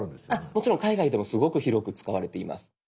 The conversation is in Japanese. もちろん海外でもすごく広く使われています。